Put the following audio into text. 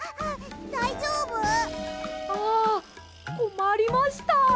あこまりました。